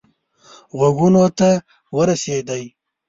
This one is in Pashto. غوږونو ته ورسېدی.